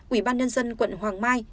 ủy ban nhân dân quận hoàng mai